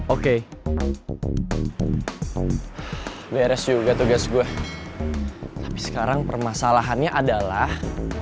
oke beres juga tugas gue tapi sekarang permasalahannya adalah